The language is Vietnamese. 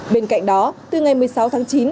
bên cạnh đó từ ngày một mươi sáu tháng chín